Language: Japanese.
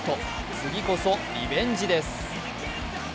次こそリベンジです。